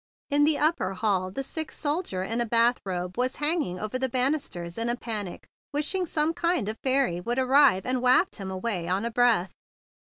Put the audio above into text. In the upper hall the sick soldier in a bathrobe was hanging over the banis¬ ters in a panic, wishing some kind fairy would arrive and waft him away on a breath.